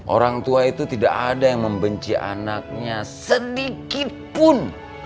orang tua itu tidak ada yang membenci anaknya sedikitpun